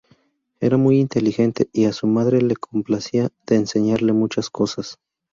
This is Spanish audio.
Era muy inteligente y a su madre le complacía de enseñarle muchas cosas.